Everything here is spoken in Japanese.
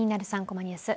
３コマニュース」